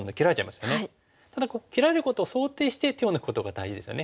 ただここ切られることを想定して手を抜くことが大事ですよね。